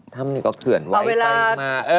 ทำอันนี้ก็เคลื่อนไหวไปมา